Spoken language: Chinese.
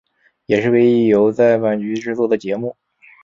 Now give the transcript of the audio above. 也是唯一由在阪局制作的节目。